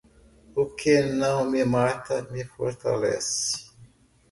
O que não me mata, me fortalece.